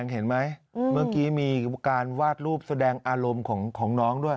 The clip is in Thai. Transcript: เห็นไหมเมื่อกี้มีการวาดรูปแสดงอารมณ์ของน้องด้วย